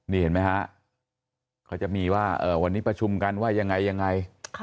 นี่เห็นมั้ยฮะเค้าจะมีว่าวันนี้ประชุมกันว่ายังไง